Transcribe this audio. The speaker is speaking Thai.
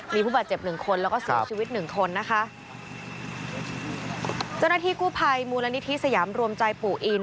มีผู้บาดเจ็บหนึ่งคนแล้วก็เสียชีวิตหนึ่งคนนะคะเจ้าหน้าที่กู้ภัยมูลนิธิสยามรวมใจปู่อิน